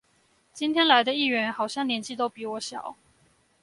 今天來的議員好像年紀都比我小